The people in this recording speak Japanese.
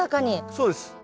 そうです。